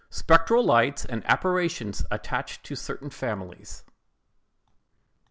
SPECTRAL LIGHTS, AND APPARITIONS ATTACHED TO CERTAIN FAMILIES.